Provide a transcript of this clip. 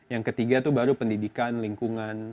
yang ketiga itu baru pendidikan lingkungan